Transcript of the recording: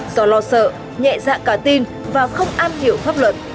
do lo sợ nhẹ dạ cả tin và không am hiểu pháp luật